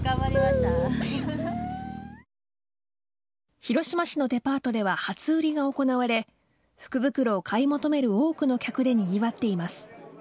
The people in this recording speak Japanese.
広島市のデパートでは初売りが行われ福袋を買い求める多くの客で、にぎわっています。